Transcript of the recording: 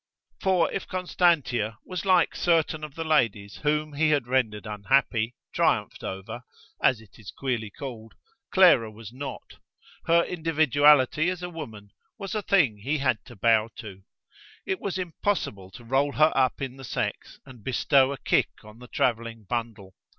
For if Constantia was like certain of the ladies whom he had rendered unhappy, triumphed over, as it is queerly called, Clara was not. Her individuality as a woman was a thing he had to bow to. It was impossible to roll her up in the sex and bestow a kick on the travelling bundle.